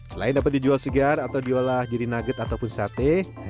selain dapat dijual segar atau diolah jadi nugget ataupun sate